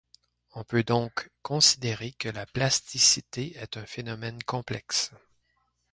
On peut donc considérer que la plasticité est un phénomène complexe.